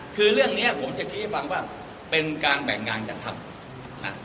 คือเรื่องนี้ผมจะชี้ให้ฟังว่าเป็นการแบ่งงานกันทำนะ